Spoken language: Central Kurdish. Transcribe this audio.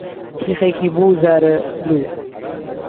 تیخێکی بوو زارهلوو